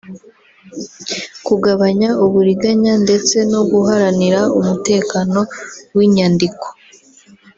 kugabanya uburiganya ndetse no guharanira umutekano w’inyandiko